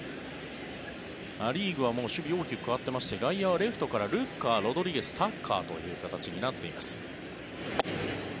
ア・リーグは守備、大きく代わっていまして外野はレフトからルッカー、ロドリゲスタッカーという形になっています。